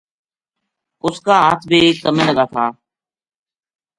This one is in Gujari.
اس کا ہتھ بے کَمے لگا تھا